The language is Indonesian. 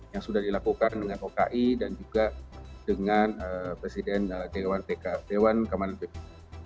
yang sudah dilakukan dengan oki dan juga dengan presiden dewan keamanan pp